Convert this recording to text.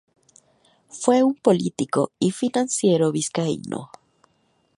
Fue un político y financiero vizcaíno.